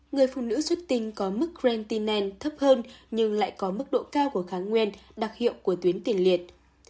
người phụ nữ xuất tinh có mức grantinen thấp hơn nhưng lại có mức độ cao của kháng nguyên đặc hiệu của tuyến tiền liệt